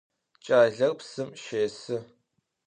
Ç'aler psım şêsı.